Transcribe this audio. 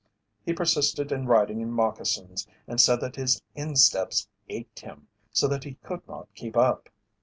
He persisted in riding in moccasins and said that his insteps "ached him" so that he could not keep up.